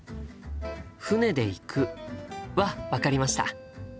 「船で行く」は分かりました。